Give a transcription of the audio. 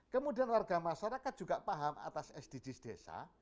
kemudian warga masyarakat juga paham atas sdgs desa